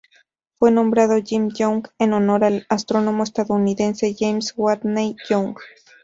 Fue nombrado Jim Young en honor al astrónomo estadounidense James Whitney Young.